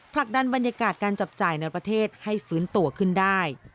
ผลักดันบรรยากาศการจับจ่ายในประเทศให้ฟื้นตัวขึ้นได้